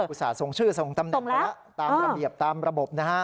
อุตส่าหส่งชื่อส่งตำแหน่งไปแล้วตามระเบียบตามระบบนะฮะ